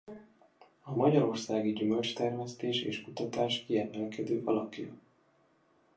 A magyarországi gyümölcstermesztés és kutatás kiemelkedő alakja.